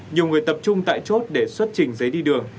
nhiều người tập trung tại chốt để xuất trình giấy đi đường